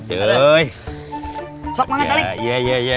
sok banget calik